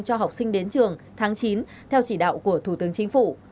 cho học sinh đến trường tháng chín theo chỉ đạo của thủ tướng chính phủ